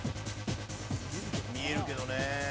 見えるけどね。